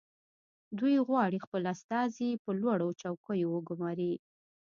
دوی غواړي خپل استازي په لوړو چوکیو وګماري